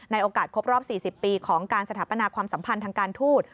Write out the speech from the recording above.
โอกาสครบรอบ๔๐ปีของการสถาปนาความสัมพันธ์ทางการทูต